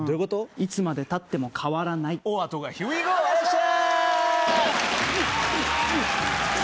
いつまでたってもかわらないおあとがヒュイゴーあざしたー